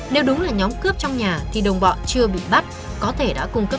nếu đúng là nhóm cướp trong nhà thì đồng bọ chưa bị bắt có thể đã cùng phát